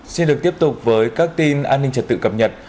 xin được tiếp tục với các tin an ninh trật tự cập nhật